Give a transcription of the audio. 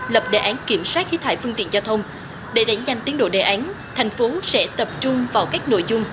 lập đề án kiểm soát khí thải phương tiện giao thông để đánh nhanh tiến độ đề án tp hcm sẽ tập trung vào các nội dung